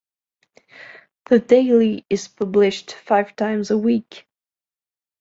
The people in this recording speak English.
The daily is published five times a week.